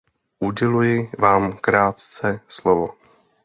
Uděluji vám krátce slovo.